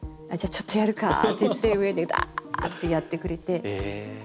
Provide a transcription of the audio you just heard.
「じゃあちょっとやるか」って言って上でダーってやってくれて。